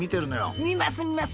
見ます見ます！